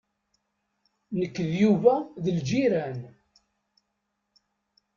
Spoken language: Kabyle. Nekk d Yuba d lǧiran.